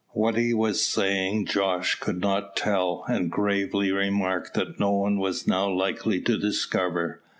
What he was saying Jos could not tell, and gravely remarked that no one was now likely to discover.